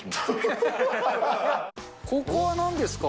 ここはなんですか？